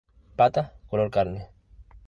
Patas color carne.